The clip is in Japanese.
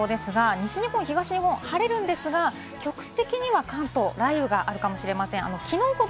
西日本、東日本、晴れるんですが局地的には関東は雷雨があるかもしれません。